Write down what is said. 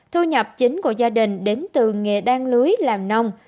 thu nhập chính của gia đình đến từ nghề đan lưới làm nông